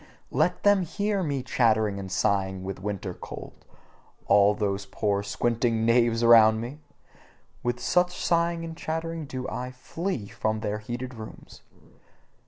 Let them HEAR me chattering and sighing with winter cold, all those poor squinting knaves around me! With such sighing and chattering do I flee from their heated rooms.